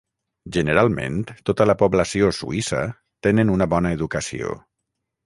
Generalment, tota la població suïssa tenen una bona educació.